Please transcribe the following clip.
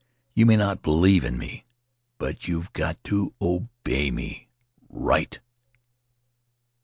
You may not believe in me, but you've got to obey me. Write!"